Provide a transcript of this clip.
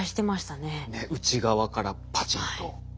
ねっ内側からパチンと。